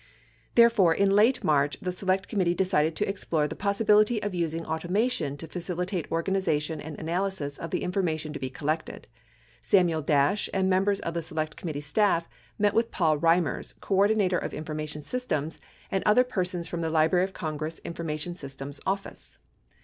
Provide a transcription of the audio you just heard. Therefore, in late March, the Select Committee decided to explore the possibility of using automation to facilitate organization and analysis of the information to be collected. Samuel Dash and members of the Select Committee staff met with Paul Reimers, Coordinator of Information Systems, and other persons from the Library of Congress Information Systems Office.